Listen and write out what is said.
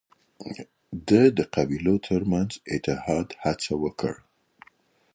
ده د قبيلو ترمنځ اتحاد هڅه وکړ